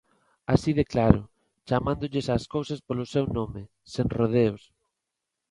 Así de claro, chamándolles ás cousas polo seu nome, sen rodeos.